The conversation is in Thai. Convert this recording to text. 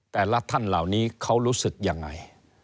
แต่ละท่านเหล่านี้เขารู้สึกยังไง